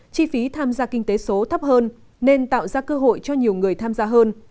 chi phí tham gia kinh tế số thấp hơn nên tạo ra cơ hội cho nhiều người tham gia hơn